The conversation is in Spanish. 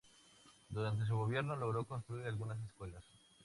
Durante su gobierno logró construir algunas escuelas.